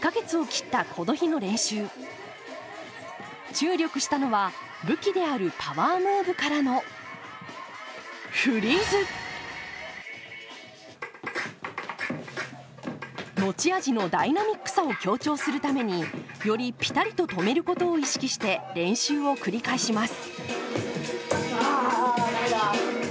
注力したのは武器であるパワームーブからの持ち味のダイナミックさを強調するためによりピタリと止めることを意識して練習を繰り返します。